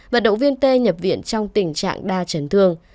vận động viên tê nhập viện trong tình trạng đa chấn thương